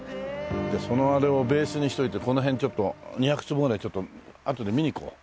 そのあれをベースにしておいてこの辺２００坪ぐらいちょっとあとで見に行こう。